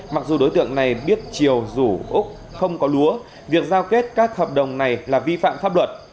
mặc dù đối tượng này biết triều rủ úc không có lúa việc giao kết các hợp đồng này là vi phạm pháp luật